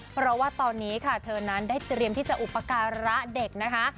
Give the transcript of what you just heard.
เพราะว่าตอนนี้ค่ะเธอนั้นได้เตรียมที่จะอุปการะเด็กนะคะ